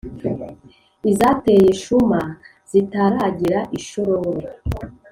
izateye shuma zitaragera i shororo